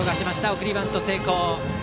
送りバント成功。